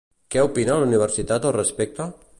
Què opina la universitat al respecte?